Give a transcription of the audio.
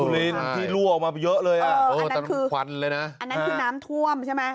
สุรินทร์ที่ลั่วออกมาเยอะเลยอะอันนั้นคือน้ำทวมใช่ไหม